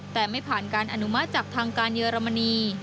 แต่ไม่ผ่านการอนุมัติจากทางการเยอรมนี